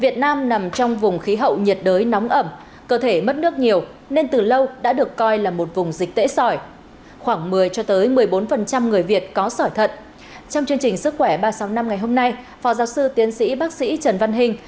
trong chương trình sức khỏe ba trăm sáu mươi năm ngày hôm nay phó giáo sư tiến sĩ bác sĩ trần văn hình